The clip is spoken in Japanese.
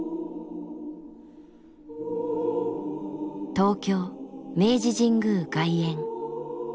東京・明治神宮外苑。